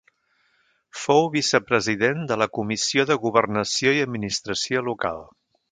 Fou vicepresident de la Comissió de Governació i Administració Local.